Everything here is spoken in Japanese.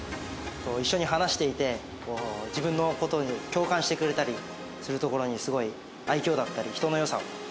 一緒に話していて自分の事に共感してくれたりするところにすごい愛嬌だったり人の良さを感じました。